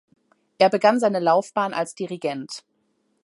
Er begann seine Laufbahn als Dirigent.